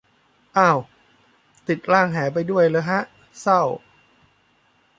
อ่าว ติดร่างแหไปด้วยเหรอฮะ เศร้า